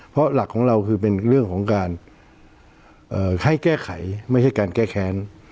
เพราะหลักของเราคือให้แก้ไขไม่การแก้แค้น